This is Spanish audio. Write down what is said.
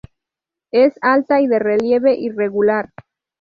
Es alta y de relieve irregular.